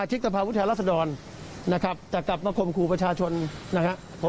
จะกลับมาคมคู่ประชาชนนะครับ